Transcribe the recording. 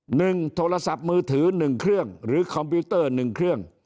โทรศัพท์มือถือหนึ่งเครื่องหรือคอมพิวเตอร์หนึ่งเครื่อง